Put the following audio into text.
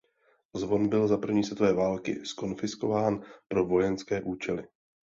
Zvon byl za první světové války zkonfiskován pro vojenské účely.